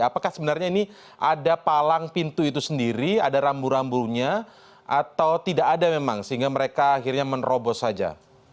apakah sebenarnya ini ada palang pintu itu sendiri ada rambu rambunya atau tidak ada memang sehingga mereka akhirnya menerobos saja